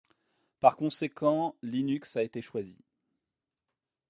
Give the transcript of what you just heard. Par conséquent, Linux a été choisi.